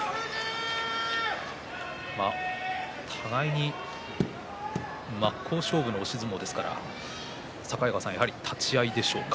互いに真っ向勝負の押し相撲ですから境川さんやはり立ち合いでしょうか。